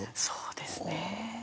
そうですね。